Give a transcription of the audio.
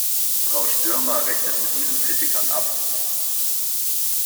Frau Stürmer rechnet mit ihren Kritikern ab.